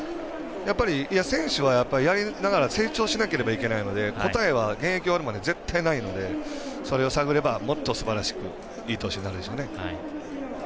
やっぱり選手はやりながら成長しなければいけないので答えは現役終わるまで絶対ないので、それを探ればもっとすばらしく、いい投手になるでしょうね。